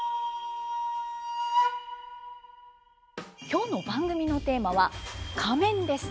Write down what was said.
今日の番組のテーマは「仮面」です。